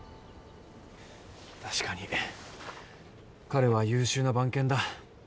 確かに彼は優秀な番犬だ。